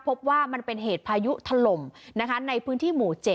พบว่ามันเป็นเหตุพายุถล่มในพื้นที่หมู่๗